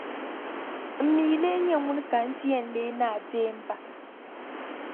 M mi lee nyɛ ŋuni ka n ti yɛn leei naa deemba?